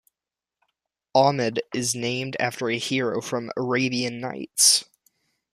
Ahmad is named after a hero from Arabian Nights.